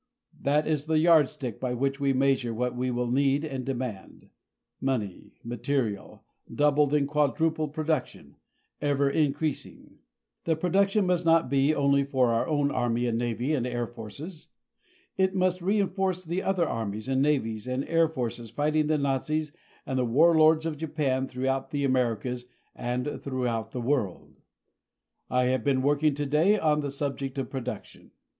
That is the yardstick by which we measure what we shall need and demand; money, materials, doubled and quadrupled production ever increasing. The production must be not only for our own Army and Navy and air forces. It must reinforce the other armies and navies and air forces fighting the Nazis and the war lords of Japan throughout the Americas and throughout the world. I have been working today on the subject of production.